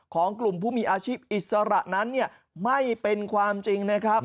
ของกลุ่มผู้มีอาชีพอิสระนั้นไม่เป็นความจริงนะครับ